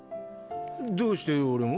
どうして俺も？